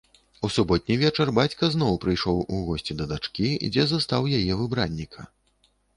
У суботні вечар бацька зноў прыйшоў у госці да дачкі, дзе застаў яе выбранніка.